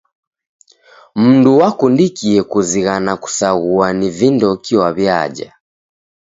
Mndu wakundikie kuzighana kusaghua ni vindoki waw'iaja.